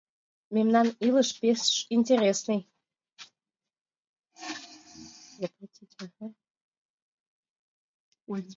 Мемнан илыш пеш интересный.